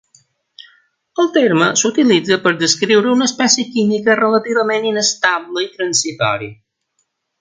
El terme s'utilitza per descriure una espècie química relativament inestable i transitòria.